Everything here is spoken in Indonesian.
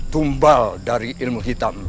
tumbal dari ilmu hitam